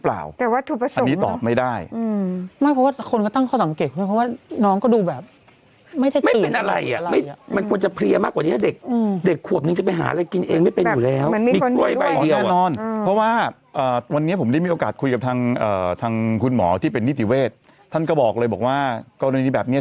อ่าทางคุณหมอที่เป็นนทิ๋เวชท่านก็บอกเลยบอกว่าคนรณีแบบเนี้ย